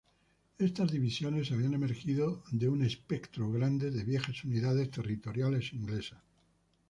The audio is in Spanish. Estas divisiones habían emergido de un espectro grande de viejas unidades territoriales inglesas.